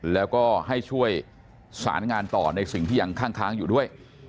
แล้วก็ให้ช่วยสารงานต่อในสิ่งที่ยังข้างอยู่ด้วย